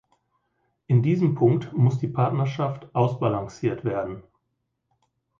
In diesem Punkt muss die Partnerschaft ausbalanciert werden.